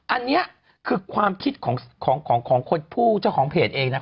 อันนี้คือความคิดของคนผู้เจ้าของเพจเองนะ